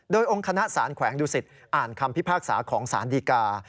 โดยองค์คณะสารแขวงดุสิตอ่านคำพิพากษาของสารดีกา